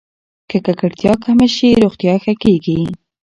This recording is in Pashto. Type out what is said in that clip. که ککړتیا کمه شي، روغتیا ښه کېږي.